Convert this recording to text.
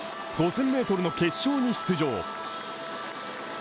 ５０００ｍの決勝に出場。